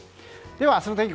では明日の天気